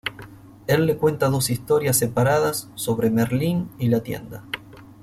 Él le cuenta dos historias separadas sobre Merlín y la tienda.